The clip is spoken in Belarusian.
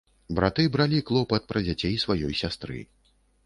Браты бралі клопат пра дзяцей сваёй сястры.